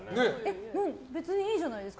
別にいいじゃないですか。